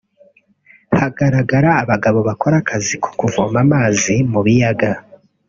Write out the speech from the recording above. hagaragara abagabo bakora akazi ko kuvoma amazi mu biyaga